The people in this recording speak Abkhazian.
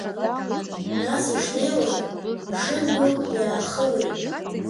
Нас ишнеиуаз, мшын дук иаахылеит.